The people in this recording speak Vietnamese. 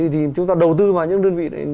thì chúng ta đầu tư vào những đơn vị